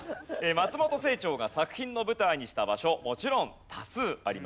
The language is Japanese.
松本清張が作品の舞台にした場所もちろん多数ありますね。